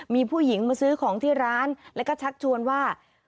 มีผู้หญิงมาซื้อของที่ร้านแล้วก็ชักชวนว่า